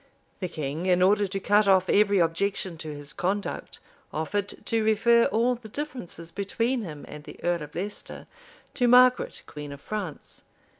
[*] The king, in order to cut off every objection to his conduct, offered to refer all the differences between him and the earl of Leicester to Margaret, queen of France.